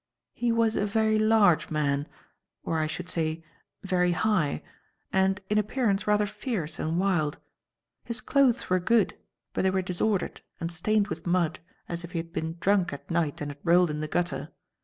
He was a very large man or, I should say, very high and in appearance rather fierce and wild. His clothes were good, but they were disordered and stained with mud, as if he had been drunk at night and had rolled in the gutter.